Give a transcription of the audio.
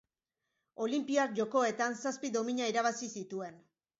Olinpiar Jokoetan zazpi domina irabazi zituen.